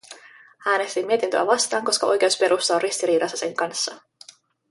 Äänestin mietintöä vastaan, koska oikeusperusta on ristiriidassa sen kanssa.